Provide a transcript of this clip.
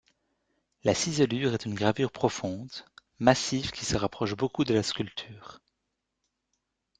La ciselure est une gravure profonde, massive qui se rapproche beaucoup de la sculpture.